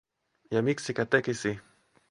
Ja miksikä tekisi?